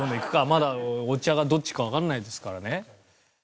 まだお茶がどっちかわかんないですからね。